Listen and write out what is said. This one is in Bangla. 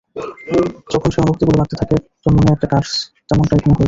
যখন সেই অনুভূতিগুলো বাড়তে থাকে, জন্ম নেয় একটা কার্স, যেমনটা এখানে হয়েছিলো।